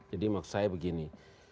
jadi maksud saya begini